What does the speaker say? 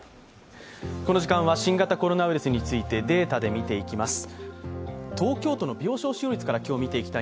この時間は新型コロナウイルスについてデータで見ていきます。